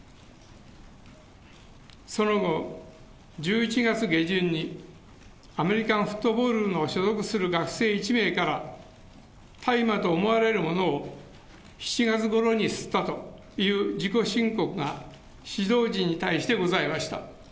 その後、１１月下旬に、アメリカンフットボール部の所属する学生１名から、大麻と思われるものを７月ごろに吸ったという自己申告が指導陣に対してございました。